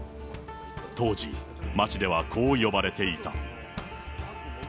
当時、町ではこう呼ばれていた。